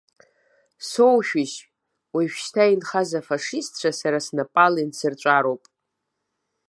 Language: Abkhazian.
Соушәыжь, уажәшьҭа инхаз афашистцәа сара снапала инсырҵәароуп.